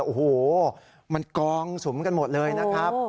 โอ้โหมันกองสุมกันหมดเลยนะครับ